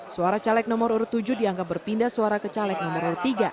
suara caleg nomor urut tujuh dianggap berpindah suara ke caleg nomor urut tiga